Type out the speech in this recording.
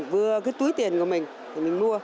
vừa cái túi tiền của mình thì mình mua